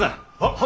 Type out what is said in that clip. はっ。